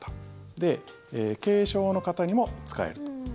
で、軽症の方にも使えると。